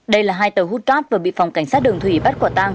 đây là hai tàu hút cát vừa bị phòng cảnh sát đường thủy bắt quả tang